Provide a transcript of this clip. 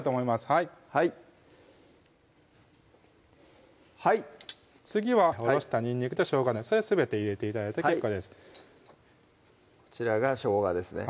はいはい次はおろしたにんにくとしょうがそれはすべて入れて頂いて結構ですこちらがしょうがですね